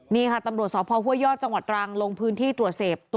นี่ค่ะตำรวจสพห้วยยอดจังหวัดตรังลงพื้นที่ตรวจสอบ